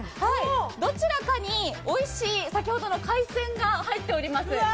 どちらかにおいしい、先ほどの海戦が入っております。